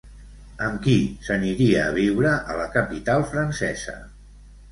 Amb qui s'aniria a viure a la capital francesa?